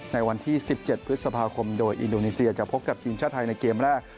ในวันที่๑๗พฤษภาคมโดยอินโดนีเซียจะพบกับทีมชาติไทยในเกมแรก